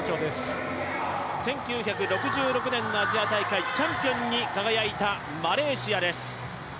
１９６６年のアジア大会チャンピオンに輝いたマレーシアです。